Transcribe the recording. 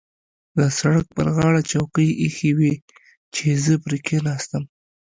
د سړک پر غاړه چوکۍ اېښې وې چې زه پرې کېناستم.